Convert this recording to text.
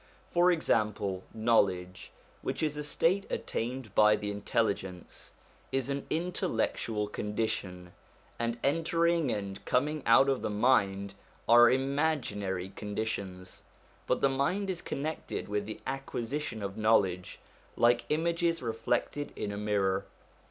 For example, knowledge, which is a state attained to by the intelligence, is an intellectual condition; and entering and coming out of the mind are imaginary conditions ; but the mind is connected with the acquisition of knowledge, like images reflected in a mirror.